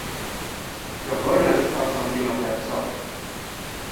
Governess, or something of that sort.